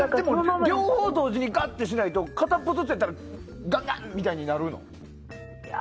両方同時にがっとしないと片方ずつだったらガンガンみたいになるの？